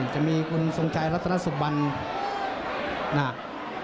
จะมีคุณทรงชายรัฐนาสุบันนะครับ